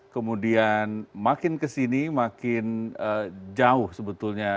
kemudian makin kesini makin jauh sebetulnya